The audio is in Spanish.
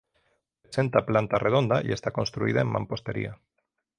Presenta planta redonda y está construida en mampostería.